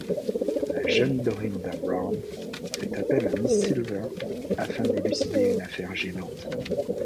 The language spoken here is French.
La jeune Dorinda Brown fait appel à Miss Silver afin d'élucider une affaire gênante.